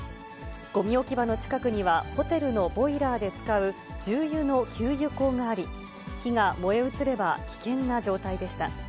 ごみ置き場の近くには、ホテルのボイラーで使う重油の給油口があり、火が燃え移れば危険な状態でした。